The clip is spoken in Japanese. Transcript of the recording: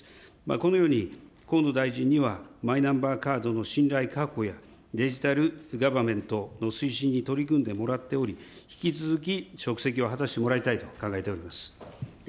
このように河野大臣にはマイナンバーカードの信頼確保や、デジタルガバメントの推進に取り組んでもらっており、引き続き、職責を果たしてもらいたいと考えております。